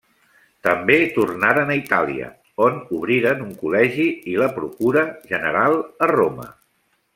També tornaren a Itàlia, on obriren un col·legi i la procura general a Roma.